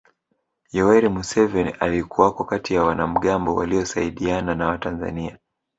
Yoweri Museveni alikuwako kati ya wanamgambo waliosaidiana na Watanzania